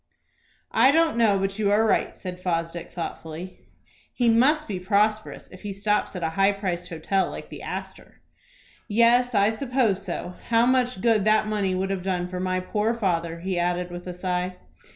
"I don't know but you are right," said Fosdick, thoughtfully. "He must be prosperous if he stops at a high priced hotel like the Astor." "Yes, I suppose so. How much good that money would have done my poor father," he added, with a sigh.